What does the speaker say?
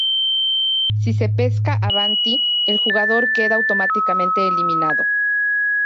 Si se pesca "Avanti", el jugador queda automáticamente eliminado.